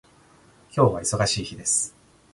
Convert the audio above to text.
今日は忙しい日です。